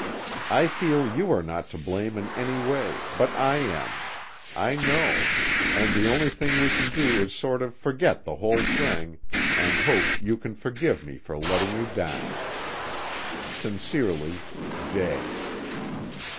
I feel you are not to blame in any way but I am, I know, and the only thing we can do is sort of forget the whole thing and hope you can forgive me for letting you down. "Sincerely, "J."